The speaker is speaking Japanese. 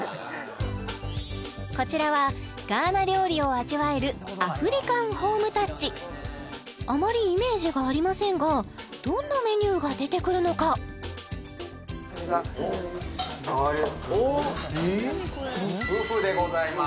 こちらはガーナ料理を味わえるあまりイメージがありませんがどんなメニューが出てくるのかフフでございます